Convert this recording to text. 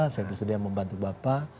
saya bersedia membantu bapak